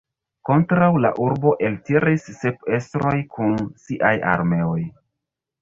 Kontraŭ la urbo eltiris sep estroj kun siaj armeoj.